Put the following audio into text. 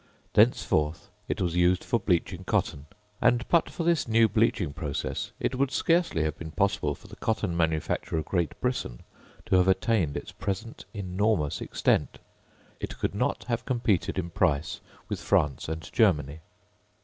Thenceforth it was used for bleaching cotton; and, but for this new bleaching process, it would scarcely have been possible for the cotton manufacture of Great Britain to have attained its present enormous extent, it could not have competed in price with France and Germany.